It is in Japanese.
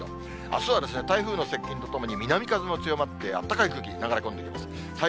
あすは台風の接近とともに南風も強まって、あったかい空気流れ込んできます。